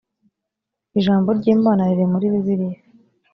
ijambo ry imana riri muri bibiliya